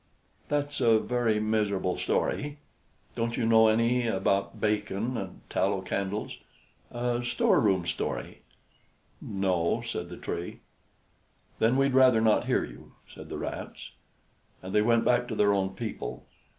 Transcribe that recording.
"That's a very miserable story. Don't you know any about bacon and tallow candles a store room story?" "No," said the Tree. "Then we'd rather not hear you," said the Rats. And they went back to their own people.